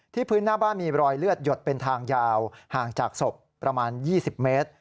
พื้นหน้าบ้านมีรอยเลือดหยดเป็นทางยาวห่างจากศพประมาณ๒๐เมตร